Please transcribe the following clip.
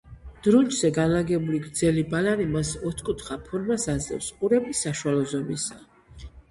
დრუნჩზე განლაგებული გრძელი ბალანი მას ოთხკუთხა ფორმას აძლევს, ყურები საშუალო ზომისაა.